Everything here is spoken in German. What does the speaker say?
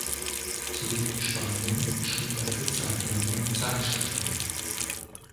Zurück in Spanien schrieb er für Zeitungen und Zeitschriften.